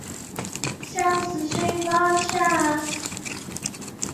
驼背丘腹蛛为球蛛科丘腹蛛属的动物。